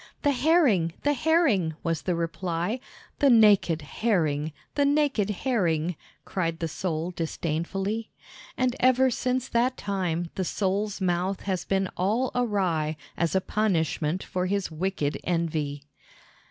"The Herring, the Herring!" was the reply. "The nak ed Herring, the nak ed Herring!" cried the Sole disdainfully. And ever since that time the Sole's mouth has been all awry as a punishment for his wicked envy.